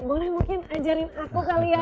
boleh mungkin ajarin aku kali ya